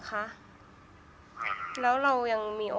คุณพ่อได้จดหมายมาที่บ้าน